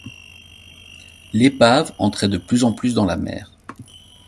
L’épave entrait de plus en plus dans la mer.